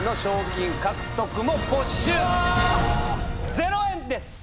０円です。